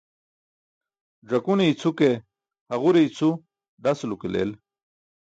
Ẓakune i̇cʰu ke haġure i̇cʰu dasulo ke leel.